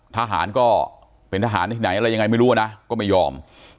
ทหารก็เป็นทหารที่ไหนอะไรยังไงไม่รู้นะก็ไม่ยอม